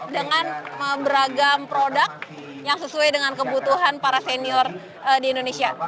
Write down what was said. dengan beragam produk yang sesuai dengan kebutuhan para senior di indonesia